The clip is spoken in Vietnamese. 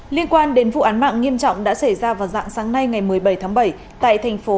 liên quan đến vụ án mạng nghiêm trọng đã xảy ra vào dạng sáng nay ngày một mươi bảy tháng bảy tại thành phố